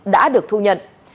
đã được thu nhận